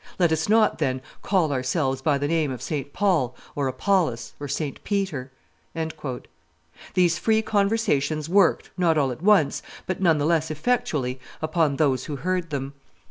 Let us not, then, call ourselves by the name of St. Paul, or Apollos, or St. Peter." These free conversations worked, not all at once, but none the less effectually, upon those who heard them.